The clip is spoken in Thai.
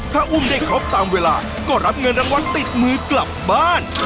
ถ้าอุ้มได้ครบตามเวลาก็รับเงินรางวัลติดมือกลับบ้าน